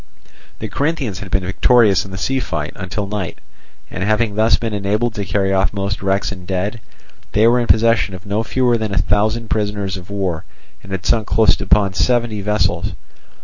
The Corinthians had been victorious in the sea fight until night; and having thus been enabled to carry off most wrecks and dead, they were in possession of no fewer than a thousand prisoners of war, and had sunk close upon seventy vessels.